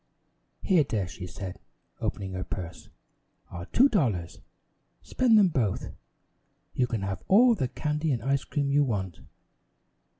"Here, dear," she said, opening her purse, "are two dollars. Spend them both. You can have all the candy and ice cream you want."